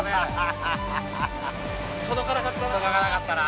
届かなかったな。